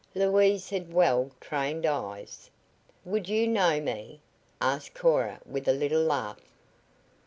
Louise had well trained eyes. "Would you know me?" asked Cora with a little laugh.